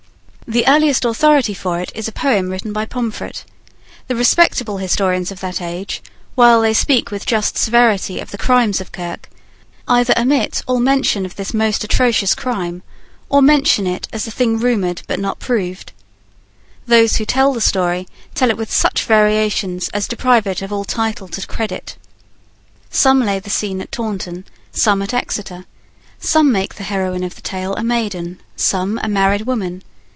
The earliest authority for it is a poem written by Pomfret. The respectable historians of that age, while they speak with just severity of the crimes of Kirke, either omit all mention of this most atrocious crime, or mention it as a thing rumoured but not proved. Those who tell the story tell it with such variations as deprive it of all title to credit. Some lay the scene at Taunton, some at Exeter. Some make the heroine of the tale a maiden, some a married woman.